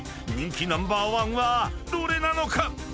［人気ナンバーワンはどれなのか⁉］